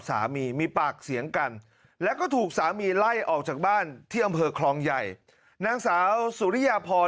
สามีมีปากเสียงกันแล้วก็ถูกสามีไล่ออกจากบ้านที่อำเภอคลองใหญ่นางสาวสุริยาพร